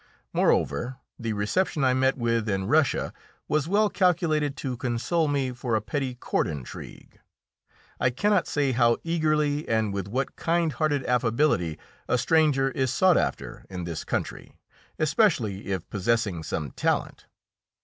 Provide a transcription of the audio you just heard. Moreover, the reception I met with in Russia was well calculated to console me for a petty court intrigue. I cannot say how eagerly and with what kind hearted affability a stranger is sought after in this country, especially if possessing some talent.